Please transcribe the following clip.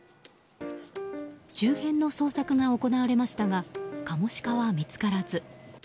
周辺の捜索が行われましたがカモシカは見つからず。